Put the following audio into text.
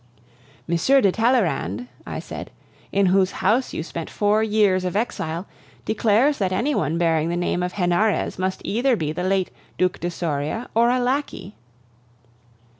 "M. de Talleyrand," I said, "in whose house you spent your years of exile, declares that any one bearing the name of Henarez must either be the late Duc de Soria or a lacquey."